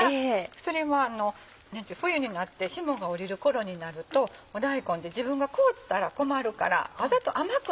それは冬になって霜が降りる頃になると大根って自分が凍ったら困るからわざと甘くなって。